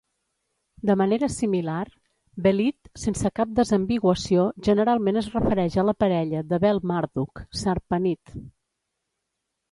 De manera similar, "Belit", sense cap desambiguació, generalment es refereix a la parella de Bel Marduk, Sarpanit.